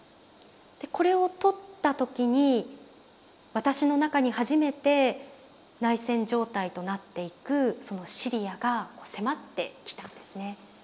でこれを撮った時に私の中に初めて内戦状態となっていくそのシリアが迫ってきたんですね。